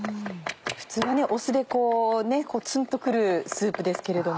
普通は酢でツンと来るスープですけれども。